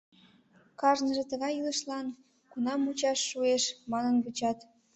Кажныже, тыгай илышлан кунам мучаш шуэш, манын вучат...